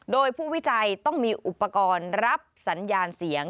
โดยผู้วิจัยต้องมีอุปกรณ์รับสัญญาณเสียง